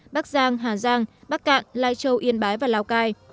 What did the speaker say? bắc giang hà giang bắc cạn lai châu yên bái và lào cai